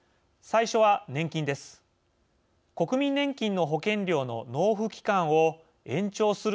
最初は年金です。